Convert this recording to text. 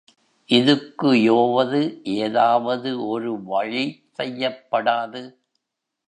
இதுக்கு யோவது ஏதாவது ஒருவழி செய்யப்படாது?